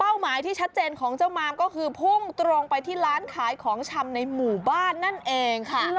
หมายที่ชัดเจนของเจ้ามามก็คือพุ่งตรงไปที่ร้านขายของชำในหมู่บ้านนั่นเองค่ะ